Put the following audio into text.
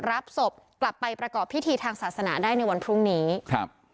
รับศพกลับไปประกอบพิธีทางศาสนาได้ในวันพรุ่งนี้ครับ